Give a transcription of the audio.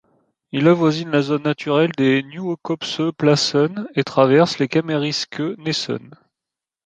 Il avoisine la zone naturelle des Nieuwkoopse Plassen et traverse les Kamerikse Nessen.